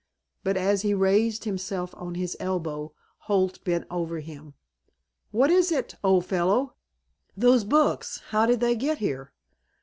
But as he raised himself on his elbow Holt bent over him. "What is it, old fellow?" "Those books? How did they get here?"